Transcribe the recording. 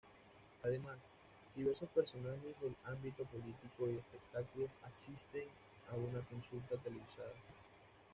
Además, diversos personajes del ámbito político y de espectáculos asisten a una consulta televisada.